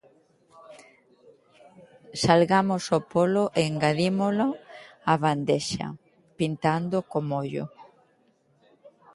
Salgamos o polo e engadímolo á bandexa, pintándoo co mollo.